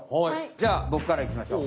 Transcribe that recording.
じゃあボクからいきましょう。